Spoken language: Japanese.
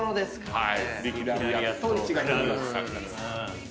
はい！